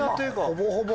ほぼほぼ。